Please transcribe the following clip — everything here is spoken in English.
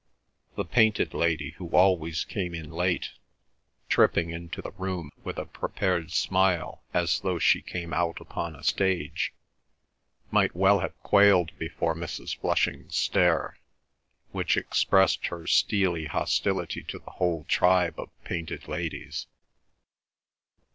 The painted lady who always came in late, tripping into the room with a prepared smile as though she came out upon a stage, might well have quailed before Mrs. Flushing's stare, which expressed her steely hostility to the whole tribe of painted ladies.